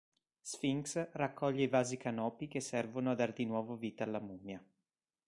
Sphinx raccoglie i Vasi Canopi che servono a dar di nuovo vita alla mummia.